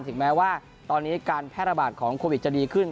ถึงแม้ว่าตอนนี้การแพร่ระบาดของโควิดจะดีขึ้น